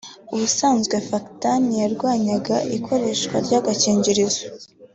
ubusanzwe Vatikani yarwanyaga ikoreshwa ry’agakingirizo